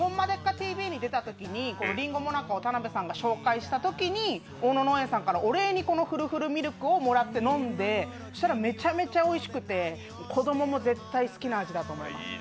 ＴＶ」に出たときにりんご最中を田辺さんが紹介したときに大野農園さんからお礼に、このふるふるミルクをもらって飲んで、したらめちゃめちゃおいしくて子供も絶対好きな味だと思います。